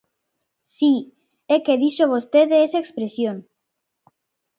Si, é que dixo vostede esa expresión.